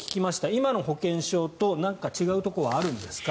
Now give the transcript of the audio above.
今の保険証と何か違うところはあるんですか。